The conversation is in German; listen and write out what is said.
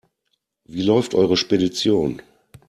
Wie läuft eure Spedition?